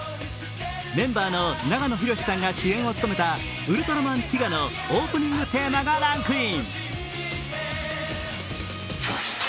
メンバーの長野博さんが主演を務めた「ウルトラマンティガ」のオープニングテーマがランクイン。